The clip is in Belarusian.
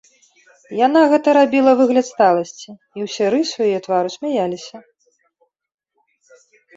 Яна гэта рабіла выгляд сталасці, і ўсе рысы яе твару смяяліся.